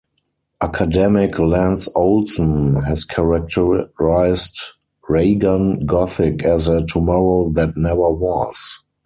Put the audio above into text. Academic Lance Olsen has characterised Raygun Gothic as "a tomorrow that never was".